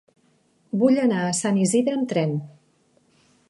Vull anar a Sant Isidre amb tren.